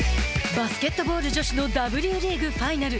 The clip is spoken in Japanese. バスケットボール女子のＷリーグ、ファイナル。